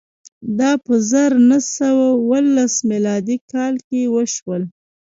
دا په زر نه سوه اوولس میلادي کال کې وشول.